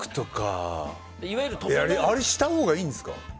あれしたほうがいいんですか？